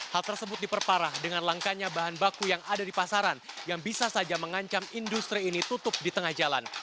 hal tersebut diperparah dengan langkanya bahan baku yang ada di pasaran yang bisa saja mengancam industri ini tutup di tengah jalan